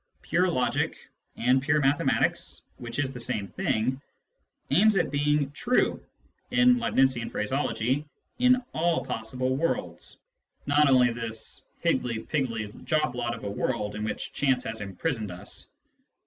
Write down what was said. Pure logic, and pure mathematics (which is the same thing), aims at being true, in Leibnizian phraseology, in all possible worlds, not only in this higgledy piggledy job lot of a world in which chance has imprisoned us.